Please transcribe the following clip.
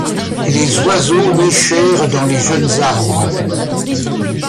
Les oiseaux nichèrent dans les jeunes arbres.